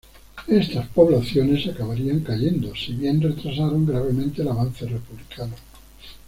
Estas poblaciones acabarían cayendo, si bien retrasaron gravemente el avance republicano.